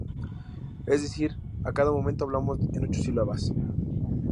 Es decir a cada momento hablamos en ocho sílabas.